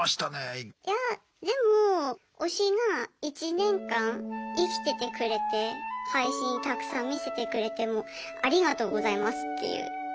いやでも推しが１年間生きててくれて配信たくさん見せてくれてありがとうございますっていう気持ち。